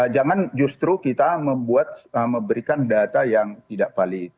jangan justru kita membuat memberikan data yang tidak valid